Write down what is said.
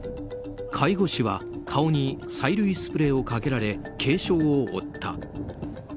介護士は顔に催涙スプレーをかけられ軽傷を負った。